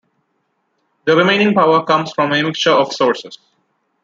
The remaining power comes from a mixture of sources.